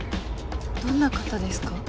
どんな方ですか？